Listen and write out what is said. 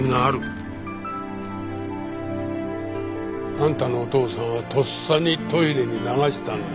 あんたのお父さんはとっさにトイレに流したんだ。